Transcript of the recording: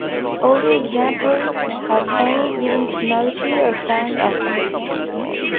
Older examples of any given technology are found often.